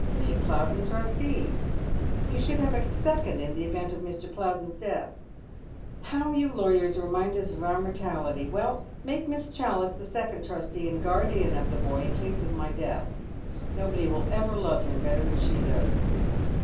" Make Plowden trustee." " You should have a second in the event of Mr. Plowden's death." " How you lawyers remind us of our mortality ! "Well, make Miss Challice the second trustee and guardian of the boy in case of my death. Nobody will ever love him better than she does."